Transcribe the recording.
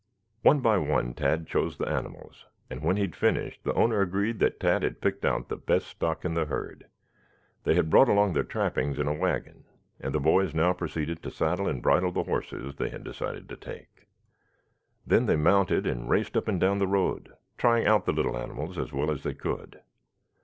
One by one Tad chose the animals, and when he had finished the owner agreed that Tad had picked out the best stock in the herd. They had brought along their trappings in a wagon, and the boys now proceeded to saddle and bridle the horses they had decided to take. Then they mounted and raced up and down the road, trying out the little animals as well as they could.